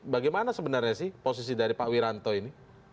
bagaimana sebenarnya sih posisi dari pak wiranto ini